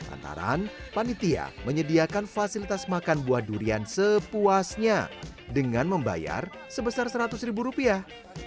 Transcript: antaran panitia menyediakan fasilitas makan buah durian sepuasnya dengan membayar sebesar seratus ribu rupiah